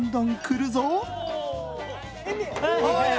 はい。